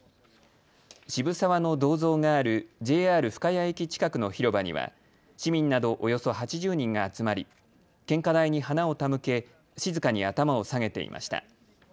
渋沢の銅像があるＪＲ深谷駅近くの広場には市民などおよそ８０人が集まり献花台に花を手向け静かに頭を下げていました。